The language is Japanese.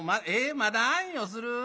まだあんよする？